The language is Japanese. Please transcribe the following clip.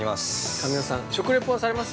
◆神尾さん、食レポはされます？